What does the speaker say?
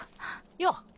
よう。